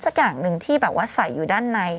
สักอย่างหนึ่งที่แบบว่าใส่อยู่ด้านใน